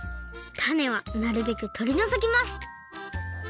たねはなるべくとりのぞきます